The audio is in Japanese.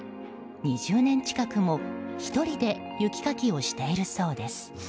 ２０年近くも１人で雪かきをしているそうです。